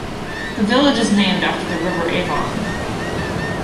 The village is named after the River Avon.